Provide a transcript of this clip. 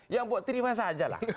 yang buat terima saja lah